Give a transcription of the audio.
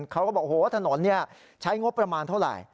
เขาก็บอกโอ้โหถนนใช้งบประมาณเท่าไหร่